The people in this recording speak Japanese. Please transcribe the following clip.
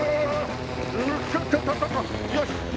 よし！